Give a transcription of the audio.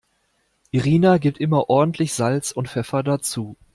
Irina gibt immer ordentlich Salz und Pfeffer dazu.